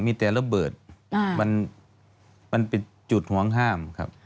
มีแต่ระเบิดมันเป็นจุดห่วงห้ามครับ